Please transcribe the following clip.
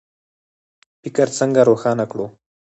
فکر څنګه روښانه کړو؟